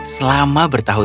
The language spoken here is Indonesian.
selama berada di dunia